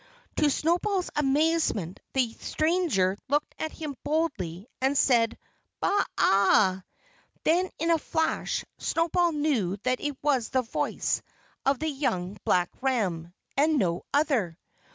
To Snowball's amazement the stranger looked at him boldly and said, "Baa a a!" Then, in a flash, Snowball knew that it was the voice of the young black ram, and no other.